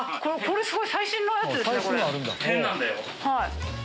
はい。